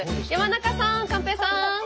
山中さん寛平さん！